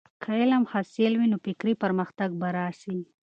که علم خالص وي، نو فکري پرمختګ به راسي.